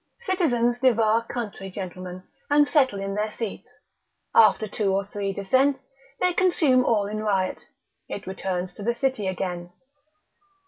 Citizens devour country gentlemen, and settle in their seats; after two or three descents, they consume all in riot, it returns to the city again.